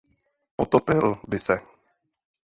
Potopil by se.